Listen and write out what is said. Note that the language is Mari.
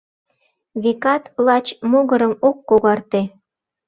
Векат, лач, могырым ок когарте.